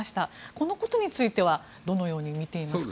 このことについてはどのように見ていますか。